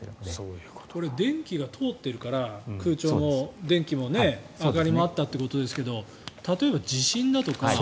これ、電気が通ってるから空調も電気も明かりもあったということですが例えば地震だとか。